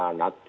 nothing gitu ya